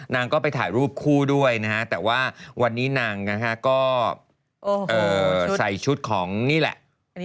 นางก็ไปถ่ายรูปคู่ด้วยนะฮะแต่ว่าวันนี้นางนะฮะก็ใส่ชุดของนี่แหละ